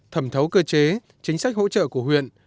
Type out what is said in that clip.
thẩm thấu cơ chế chính sách hỗ trợ của huyện